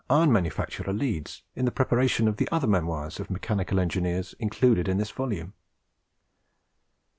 iron manufacturer, Leeds, in the preparation of the other memoirs of mechanical engineers included in this volume.